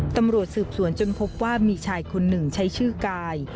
ตำรวจสืบสวนจนพบว่ามีชายคนหนึ่งใช้ชื่อกาย